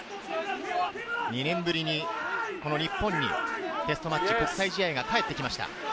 ２年ぶりにこの日本にテストマッチ、国際試合が帰ってきました。